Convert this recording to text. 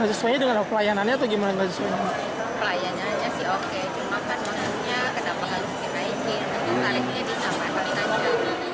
tapi kalau ini jadi kenapa maksudnya enggak sesuai